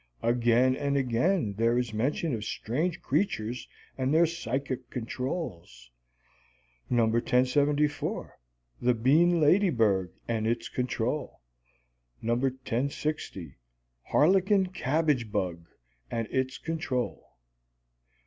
Again and again there is mention of strange creatures and their psychic "controls": No. 1074, "The Bean Ladybird and Its Control"; No. 1060, "Harlequin Cabbage Bug and Its Control"; No.